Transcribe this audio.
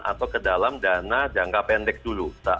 atau ke dalam dana jangka pendek dulu